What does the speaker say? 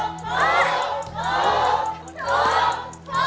ถูกถูกถูก